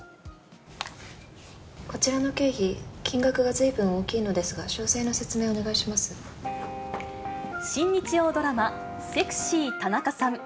こちらの経費、金額がずいぶん大きいのですが、新日曜ドラマ、セクシー田中さん。